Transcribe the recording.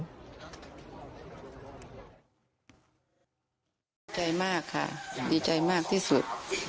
ดีใจมากค่ะดีใจมากที่สุด